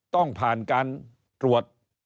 ต้องผ่านการตรวจ